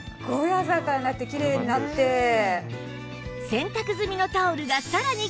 洗濯済みのタオルがさらにきれいに！